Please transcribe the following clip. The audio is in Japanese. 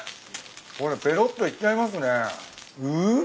これぺろっといっちゃいますね。